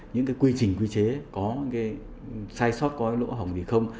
những cái quy trình quy chế có cái sai sót có cái lỗ hồng gì không